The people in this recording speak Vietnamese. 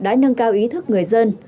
đã nâng cao ý thức người dân